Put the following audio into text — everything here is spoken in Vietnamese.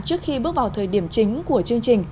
trước khi bước vào thời điểm chính của chương trình